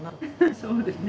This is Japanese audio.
そうですね。